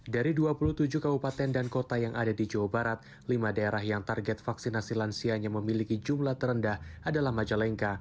dari dua puluh tujuh kabupaten dan kota yang ada di jawa barat lima daerah yang target vaksinasi lansianya memiliki jumlah terendah adalah majalengka